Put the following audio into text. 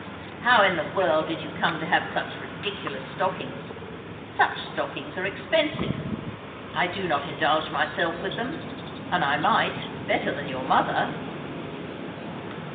"How in the world did you come to have such ridiculous stockings? Such stockings are expensive. I do not indulge myself with them; and I might, better than your mother."